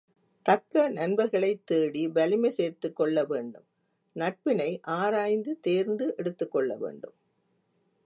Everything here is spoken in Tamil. தக்க நண்பர்களைத் தேடி வலிமை சேர்த்துக்கொள்ள வேண்டும் நட்பினை ஆராய்ந்து தேர்ந்து எடுத்துக்கொள்ள வேண்டும்.